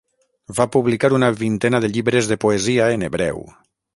Va publicar una vintena de llibres de poesia en hebreu.